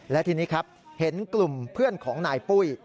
และทีนี้ครับเห็นกลุ่มเพื่อนของนายปุ้ย